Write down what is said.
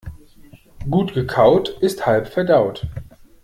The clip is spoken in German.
Gut gekaut ist halb verdaut.